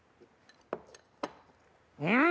うん！